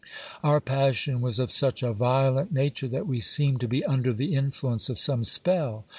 Our passion was of such a violent nature, that we seemed to be under the influence of some spell.